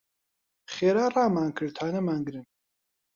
خێرا ڕامان کرد تا نەمانگرن.